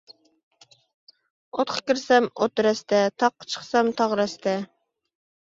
ئوتقا كىرسەم، ئوت رەستە، تاغقا چىقسام تاغ رەستە.